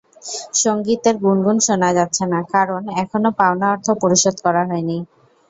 সংগীতের গুণগুণ শোনা যাচ্ছে না, কারণ, এখনও পাওনা অর্থ পরিশোধ করা হয়নি।